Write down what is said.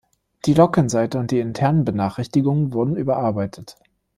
Die Login-Seite und die internen Benachrichtigungen wurden überarbeitet.